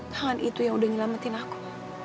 tangan itu yang udah nyelamatin aku